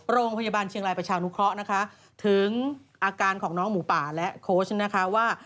โรงพยาบาลเชียงรายประชานุเคราะห์นะคะถึงอาการของน้องหมูป่าและโค้ชนะคะว่า